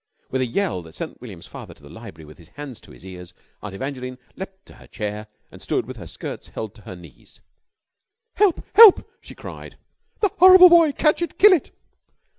With a yell that sent William's father to the library with his hands to his ears, Aunt Evangeline leapt to her chair and stood with her skirts held to her knees. "Help! Help!" she cried. "The horrible boy! Catch it! Kill it!"